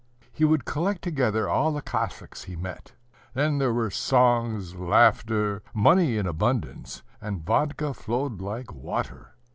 He would collect together all the Cossacks he met; then there were songs, laughter, money in abundance, and vodka flowed like water.